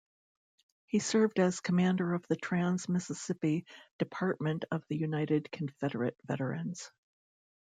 He served as commander of the Trans-Mississippi Department of the United Confederate Veterans.